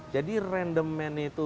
jadi random man nya itu